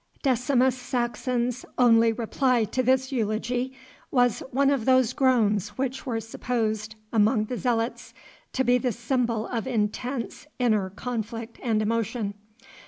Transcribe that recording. Decimus Saxon's only reply to this eulogy was one of those groans which were supposed, among the zealots, to be the symbol of intense inner conflict and emotion.